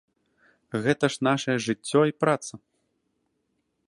Гэта ж нашае жыццё і праца.